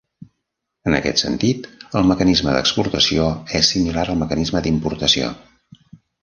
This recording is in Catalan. En aquest sentit, el mecanisme d'exportació és similar al mecanisme d'importació.